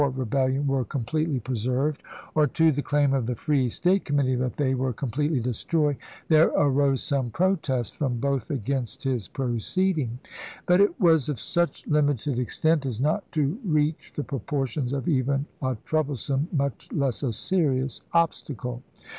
rebellion were completely preserved, or to the claim of the Free State Committee that they were completely destroyed, there arose some protest from both against his proceeding. But it was of such limited extent as not to reach the proportions of even a troublesome, much less a serious, obstacle.